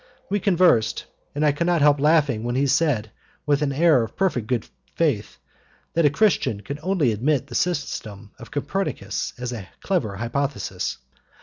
We conversed, and I could not help laughing when he said, with an air of perfect good faith, that a Christian could only admit the system of Copernicus as a clever hypothesis.